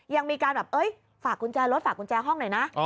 ยังมีการแบบเอ้ยฝากกุญแจรถฝากกุญแจห้องหน่อยนะ